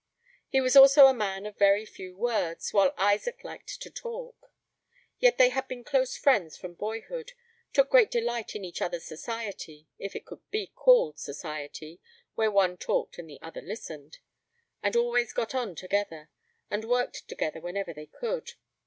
He was also a man of very few words, while Isaac liked to talk; yet they had been close friends from boyhood, took great delight in each other's society (if it could be called society where one talked and the other listened), and always got together, and worked together, whenever they could.